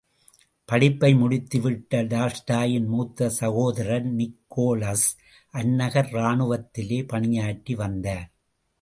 படிப்பை முடித்து விட்ட டால்ஸ்டாயின் மூத்த சகோதரர் நிகோலஸ் அந்நகர் ராணுவத்திலே பணியாற்றி வந்தார்.